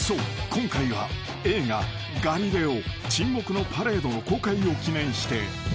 今回は映画『ガリレオ沈黙のパレード』の公開を記念して］